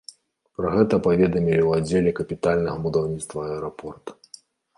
Пра гэта паведамілі ў аддзеле капітальнага будаўніцтва аэрапорта.